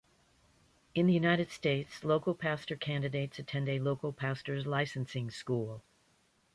In the United States, Local Pastor candidates attend a Local Pastors Licensing School.